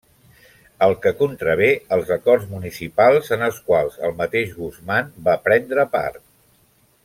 El que contravé els acords municipals en els quals el mateix Guzmán va prendre part.